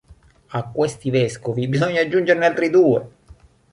A questi vescovi bisogna aggiungerne altri due.